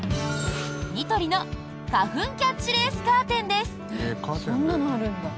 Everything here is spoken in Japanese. ニトリの花粉キャッチレースカーテンです。